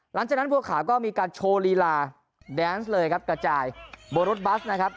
หลังจากนั้นบัวขาวก็มีการโชว์ลีลาแดนซ์เลยครับกระจายบนรถบัสนะครับ